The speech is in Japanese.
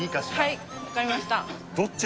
はい分かりましたどっち？